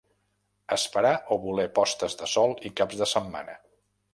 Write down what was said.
Esperar o voler postes de sol i caps de setmana.